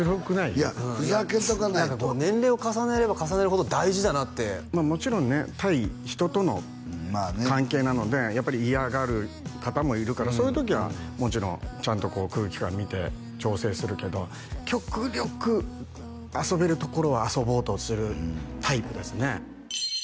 いやふざけとかないと何か年齢を重ねれば重ねるほど大事だなってもちろんね対人との関係なのでやっぱり嫌がる方もいるからそういう時はもちろんちゃんとこう空気感見て調整するけど極力遊べるところは遊ぼうとするタイプですね